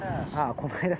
この間さ。